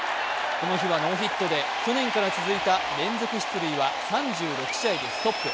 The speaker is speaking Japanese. この日はノーヒットで去年から続いた連続出塁は３６試合でストップ。